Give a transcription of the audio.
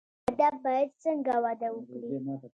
ادب باید څنګه وده وکړي؟